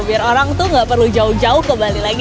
biar orang tuh gak perlu jauh jauh ke bali lagi